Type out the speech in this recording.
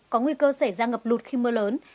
có nguy cơ xảy ra ngập lụt khi mưa lớn